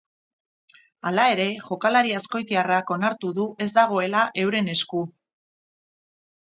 Hala ere, jokalari azkoitiarrak onartu duen ez dagoela euren esku.